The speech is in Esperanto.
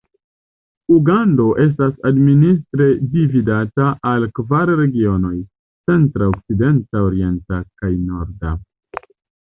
Ugando estas administre dividata al kvar regionoj: centra, okcidenta, orienta kaj norda.